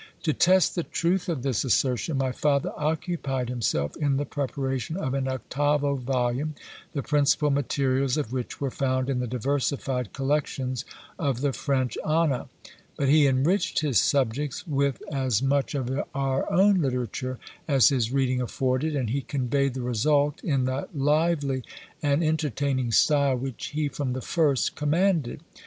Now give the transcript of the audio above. To test the truth of this assertion, my father occupied himself in the preparation of an octavo volume, the principal materials of which were found in the diversified collections of the French Ana; but he enriched his subjects with as much of our own literature as his reading afforded, and he conveyed the result in that lively and entertaining style which he from the first commanded.